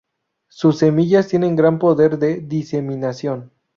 Su semillas tienen gran poder de diseminación.